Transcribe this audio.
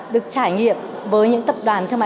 được trải nghiệm với những tập đoàn thương mại